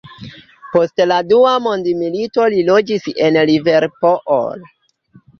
Post la dua mondmilito li loĝis en Liverpool.